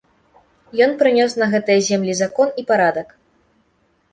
Ён прынёс на гэтыя землі закон і парадак.